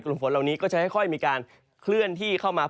ฝนเหล่านี้ก็จะค่อยมีการเคลื่อนที่เข้ามา